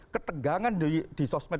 ketegangan di sosmed